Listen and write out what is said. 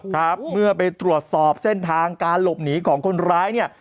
ครับเมื่อไปตรวจสอบเส้นทางการหลบหนีของคนร้ายเนี่ย